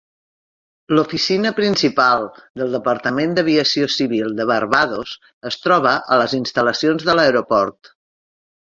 L'oficina principal del Departament d'Aviació Civil de Barbados es troba a les instal·lacions de l'aeroport.